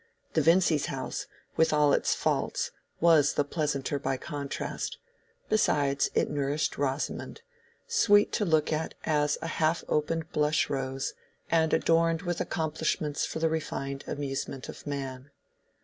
The Vincys' house, with all its faults, was the pleasanter by contrast; besides, it nourished Rosamond—sweet to look at as a half opened blush rose, and adorned with accomplishments for the refined amusement of man.